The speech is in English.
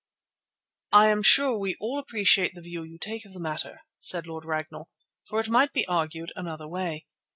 "I am sure we all appreciate the view you take of the matter," said Lord Ragnall, "for it might be argued another way.